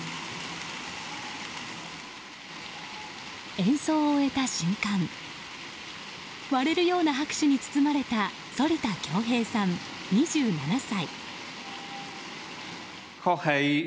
演奏を終えた瞬間割れるような拍手に包まれた反田恭平さん、２７歳。